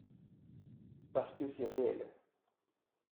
Parce que c’est réel.